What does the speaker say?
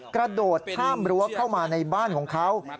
กระโดดข้ามรั้วเข้ามาในบ้านของเขา